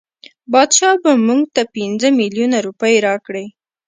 بادشاه به مونږ ته پنځه میلیونه روپۍ راکړي.